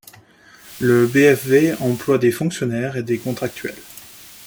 Le BfV emploie des fonctionnaires et des contractuels.